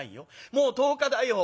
もう１０日だよ。